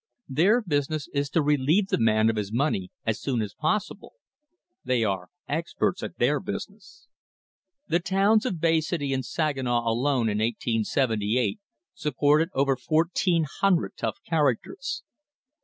Their business is to relieve the man of his money as soon as possible. They are experts at their business. The towns of Bay City and Saginaw alone in 1878 supported over fourteen hundred tough characters.